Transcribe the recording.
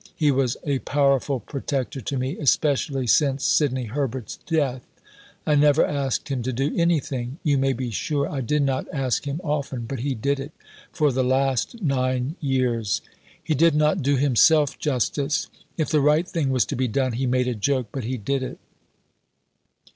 He was a powerful protector to me especially since Sidney Herbert's death. I never asked him to do anything you may be sure I did not ask him often but he did it for the last nine years. He did not do himself justice. If the right thing was to be done, he made a joke, but he did it.